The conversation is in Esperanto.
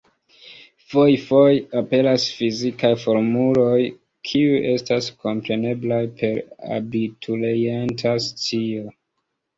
Fojfoje aperas fizikaj formuloj, kiuj estas kompreneblaj per abiturienta scio.